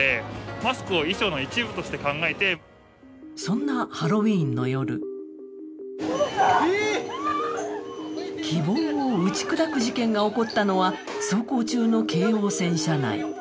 そんなハロウィーンの夜希望を打ち砕く事件が起こったのは、走行中の京王線車内。